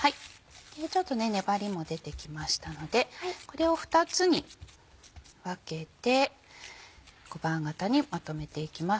ちょっと粘りも出てきましたのでこれを２つに分けて小判形にまとめていきます。